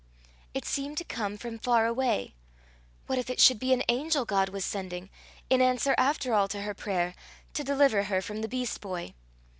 It seemed to come from far away: what if it should be an angel God was sending, in answer after all to her prayer, to deliver her from the beast boy!